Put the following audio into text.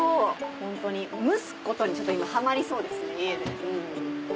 ホントに蒸すことにちょっと今ハマりそうですね家で。